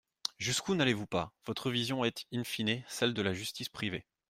Jusqu’où n’allez-vous pas ! Votre vision est in fine celle de la justice privée.